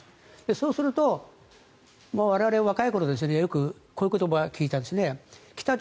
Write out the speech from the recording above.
そうすると我々、若い頃によくこういう言葉を聞いたんですね。